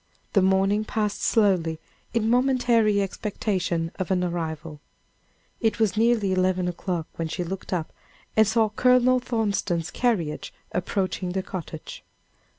The morning passed slowly, in momentary expectation of an arrival. It was near eleven o'clock when she looked up and saw Colonel Thornton's carriage approaching the cottage.